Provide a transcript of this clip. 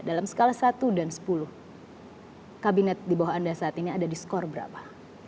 dalam skala satu dan sepuluh kabinet di bawah anda saat ini ada di skor berapa